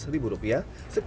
sekali melintasi jalur tersedak